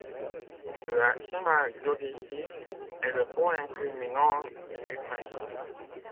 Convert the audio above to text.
La Cima Dodici est le point culminant du massif.